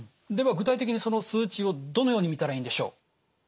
具体的にその数値をどのように見たらいいんでしょう？